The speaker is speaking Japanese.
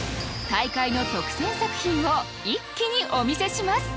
大会の特選作品を一気にお見せします。